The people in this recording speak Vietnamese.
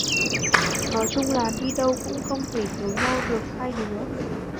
Nói chung đi đâu cũng không thể thiếu nhau được hai đứa